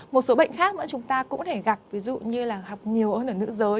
một số bệnh khác nữa chúng ta cũng có thể gặp ví dụ như là học nhiều hơn ở nữ giới